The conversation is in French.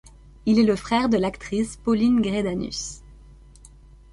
Il est le frère de l'actrice Pauline Greidanus.